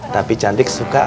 tapi cantik suka kan